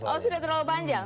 oh sudah terlalu panjang